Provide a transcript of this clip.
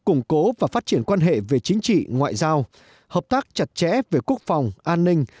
củng cố và phát triển quan hệ về chính trị ngoại giao hợp tác chặt chẽ về quốc phòng an ninh